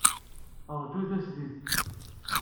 Ṛju tasdidt.